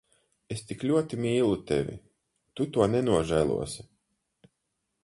Es tik ļoti mīlu tevi. Tu to nenožēlosi.